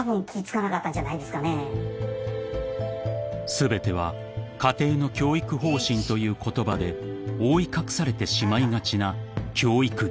［全ては家庭の教育方針という言葉で覆い隠されてしまいがちな教育虐待］